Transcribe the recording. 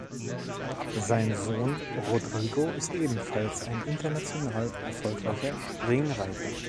Sein Sohn Rodrigo ist ebenfalls ein international erfolgreicher Springreiter.